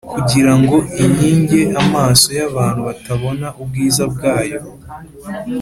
kugira ngo ikinge amaso y’abantu batabona ubwiza bwayo